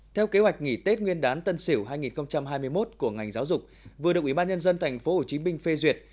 theo kế hoạch nghỉ tết nguyên đán tân sỉu hai nghìn hai mươi một của ngành giáo dục vừa được ủy ban nhân dân tp hcm phê duyệt